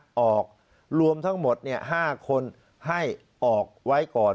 ออกรวมทั้งหมด๕คนให้ออกไว้ก่อน